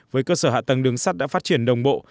với cơ sở hạ tầng đứng sát đã phát triển đồng bộ